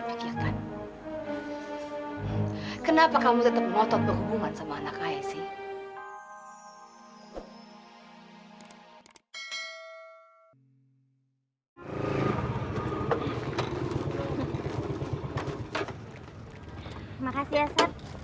terima kasih ya sat